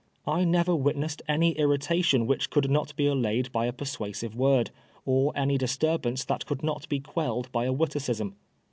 I never witnessed any irritation which could not be allayed by a persuasive word, or any disturbance that could not be quelled by a witticism.